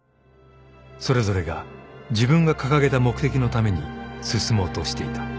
［それぞれが自分が掲げた目的のために進もうとしていた］